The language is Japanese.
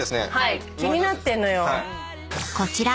［こちら］